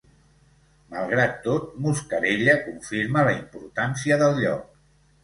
Malgrat tot, Muscarella confirma la importància del lloc.